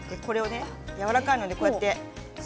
やわらかいので。